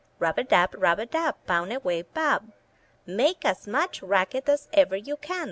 Rub a dub, rub a dub! Pound away, bub! Make as much racket as ever you can.